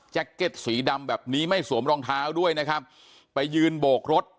เก็ตสีดำแบบนี้ไม่สวมรองเท้าด้วยนะครับไปยืนโบกรถ